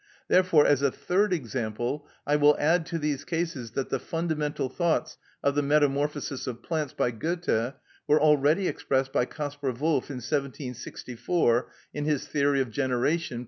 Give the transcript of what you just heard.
Therefore, as a third example, I will add to these cases, that the fundamental thoughts of the "Metamorphosis of Plants," by Goethe, were already expressed by Kaspar Wolff in 1764 in his "Theory of Generation," p.